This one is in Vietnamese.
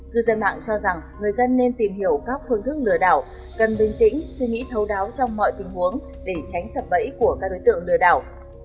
cư dân mạng cho rằng người dân nên tìm hiểu các phương thức lừa đảo cần bình tĩnh suy nghĩ thấu đáo trong mọi tình huống để tránh sập bẫy của các đối tượng lừa đảo